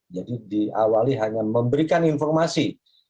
diawali hanya memberikan informasi